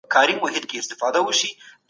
اقتصادي پریکړي څنګه کېږي؟